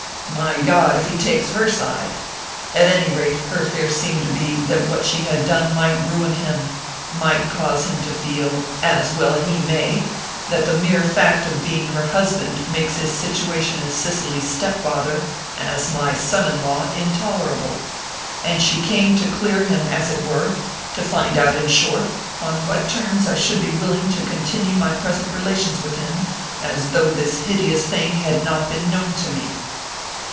"My God, if he takes her side ! At any rate, her fear seemed to be that what she had done might ruin him; might cause him to feel as well he may! that the mere fact of being her husband makes his situation as Cicely's step father, as my son in law, intolerable. And she came to clear him, as it were to find out, in short, on what terms I should be willing to continue my present relations with him as though this hideous thing had not been known to me."